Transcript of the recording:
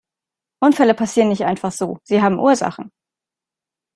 Unfälle passieren nicht einfach so, sie haben Ursachen.